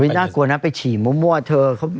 น่ากลัวนะไปฉี่มั่วเธอ